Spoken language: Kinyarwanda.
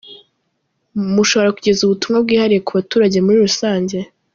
Mushobora kugeza Ubutumwa bwihariye ku baturage muri rusange ?.